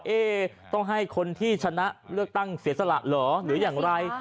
เอ๊ต้องให้คนที่ชนะเลือกตั้งเสียสละเหรอหรืออย่างไร